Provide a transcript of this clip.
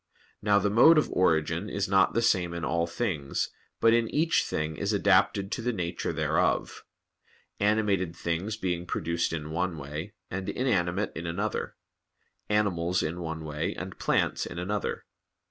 Now the mode of origin is not the same in all things, but in each thing is adapted to the nature thereof; animated things being produced in one way, and inanimate in another; animals in one way, and plants in another.